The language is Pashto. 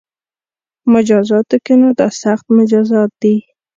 مجازاتو کې نو دا سخت مجازات دي